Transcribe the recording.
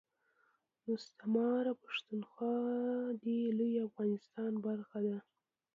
مستعمره پښتونخوا دي لوي افغانستان برخه ده